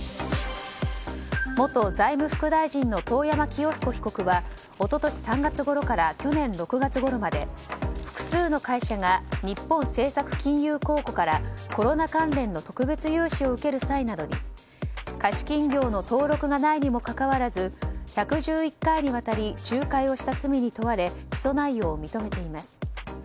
元財務副大臣の遠山清彦被告は一昨年３月ごろから去年６月ごろまで複数の会社が日本政策金融公庫からコロナ関連の特別融資を受ける際などに貸金業の登録がないにもかかわらず１１１回にわたり仲介をした罪に問われ起訴内容を認めています。